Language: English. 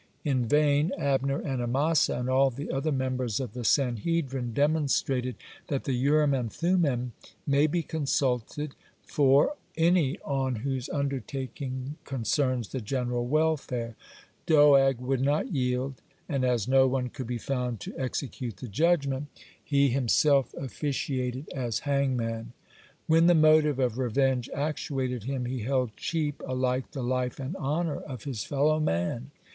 In vain Abner and Amasa and all the other members of the Sanhedrin demonstrated that the Urim and Thummim may be consulted for any on whose undertaking concerns the general welfare. Doeg would not yield, and as no one could be found to execute the judgement, he himself officiated as hangman. (104) When the motive of revenge actuated him, he held cheap alike the life and honor of his fellow man.